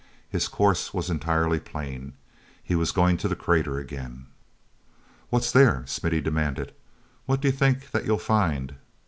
His course was entirely plain. He was going to the crater again. "What's there?" Smithy demanded. "What do you think that you'll find?"